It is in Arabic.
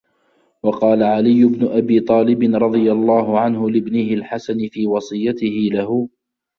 وَقَالَ عَلِيُّ بْنُ أَبِي طَالِبٍ رَضِيَ اللَّهُ عَنْهُ لِابْنِهِ الْحَسَنِ فِي وَصِيَّتِهِ لَهُ